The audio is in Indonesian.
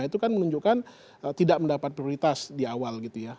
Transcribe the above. itu kan menunjukkan tidak mendapat prioritas di awal gitu ya